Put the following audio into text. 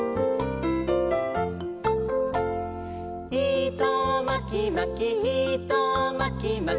「いとまきまきいとまきまき」